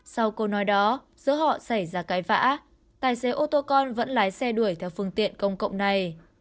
sau câu nói đó giữa họ xảy ra cái vã tài xế ô tô con vẫn lái xe đuổi theo phương tiện công cộng này